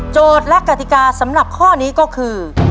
และกติกาสำหรับข้อนี้ก็คือ